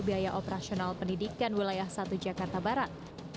biaya operasional pendidikan wilayah satu jakarta barat